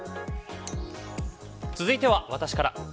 続いては私から。